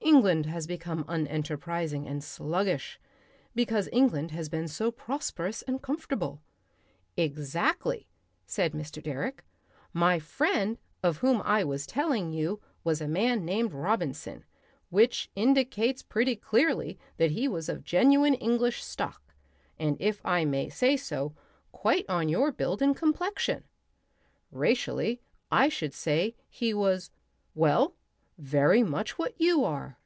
England has become unenterprising and sluggish because England has been so prosperous and comfortable...." "Exactly," said Mr. Direck. "My friend of whom I was telling you, was a man named Robinson, which indicates pretty clearly that he was of genuine English stock, and, if I may say so, quite of your build and complexion; racially, I should say, he was, well very much what you are...."